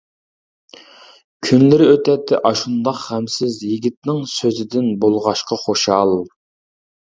كۈنلىرى ئۆتەتتى ئاشۇنداق غەمسىز، يىگىتنىڭ سۆزىدىن بولغاچقا خۇشال.